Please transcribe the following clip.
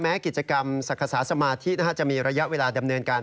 กิจกรรมศักษาสมาธิจะมีระยะเวลาดำเนินการ